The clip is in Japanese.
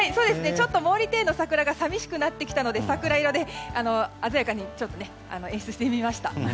ちょっと毛利庭園の桜が寂しくなってきたので、桜色で鮮やかにちょっと演出してみました。